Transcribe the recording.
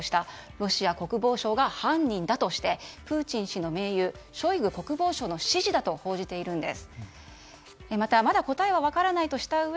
ロシア国防省が犯人だとしてプーチン氏の盟友ショイグ国防相の指示だと報じているんです。